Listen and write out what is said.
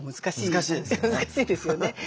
難しいですよね。